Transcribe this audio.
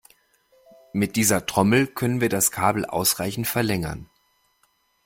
Mit dieser Trommel können wir das Kabel ausreichend verlängern.